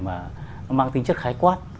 mà mang tính chất khái quát